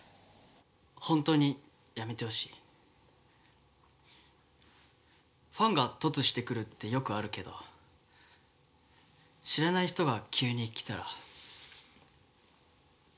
ほんとにやめてほしいファンが凸してくるってよくあるけど知らない人が急に来たら怖くない？